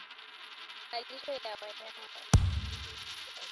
malisho ya wanyama